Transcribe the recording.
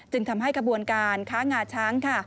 จึงทำให้ขบวนการค้างาช้าง